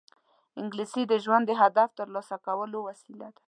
انګلیسي د ژوند د هدف ترلاسه کولو وسیله ده